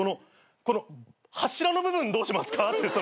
この柱の部分どうしますかって。